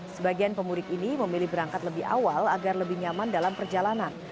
sebagian pemudik ini memilih berangkat lebih awal agar lebih nyaman dalam perjalanan